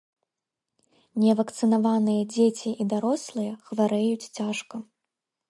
Невакцынаваныя дзеці і дарослыя хварэюць цяжка.